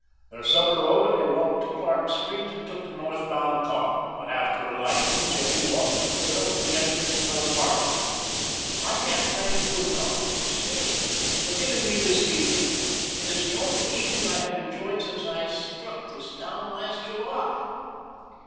Their supper over, they walked to Clark Street and took a northbound car, but after alighting Jimmy walked with the girl to the entrance of her apartment. "I can't thank you enough," he said, "for giving me this evening. It is the only evening I have enjoyed since I struck this town last July."